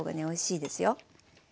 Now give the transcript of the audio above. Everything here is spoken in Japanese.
おいしいですよ。